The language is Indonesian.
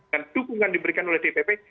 dan dukungan diberikan oleh tpp